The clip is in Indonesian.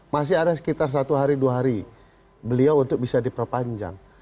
masih ada sekitar satu hari dua hari beliau untuk bisa diperpanjang